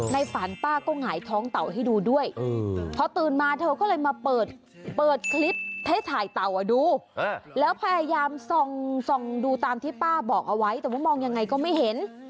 ฝันป้าก็หงายท้องเต่าให้ดูด้วยพอตื่นมาเธอก็เลยมาเปิดคลิปให้ถ่ายเต่าดูแล้วพยายามส่องดูตามที่ป้าบอกเอาไว้แต่ว่ามองยังไงก็ไม่เห็น